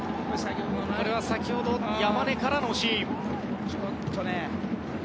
これは先ほど山根からのシーン。